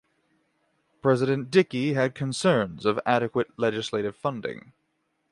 President Dickey had concerns of adequate legislative funding.